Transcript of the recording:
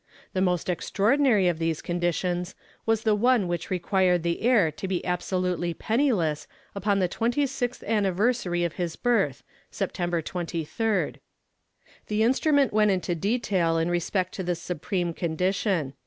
The most extraordinary of these conditions was the one which required the heir to be absolutely penniless upon the twenty sixth anniversary of his birth, September 23d. The instrument went into detail in respect to this supreme condition.